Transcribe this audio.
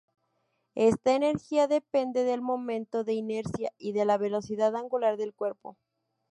Esta energía depende del momento de inercia y de la velocidad angular del cuerpo.